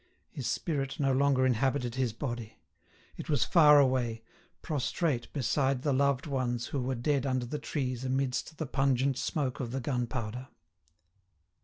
His spirit no longer inhabited his body. It was far away, prostrate beside the loved ones who were dead under the trees amidst the pungent smoke of the gunpowder.